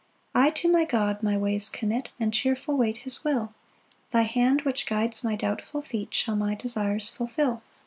4 I to my God my ways commit, And cheerful wait his will; Thy hand, which guides my doubtful feet, Shall my desires fulfil.